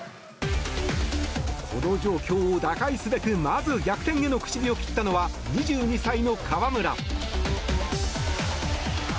この状況を打開すべくまず逆転への口火を切ったのは２２歳の河村。